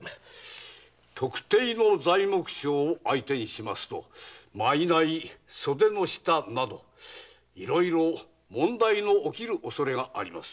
特定の材木商を相手にしますと賂・袖の下などいろいろ問題の起きるおそれがあります。